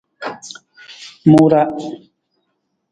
Mu ra.